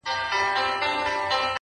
o شرجلال مي ته، په خپل جمال کي کړې بدل.